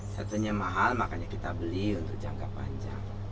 satunya mahal makanya kita beli untuk jangka panjang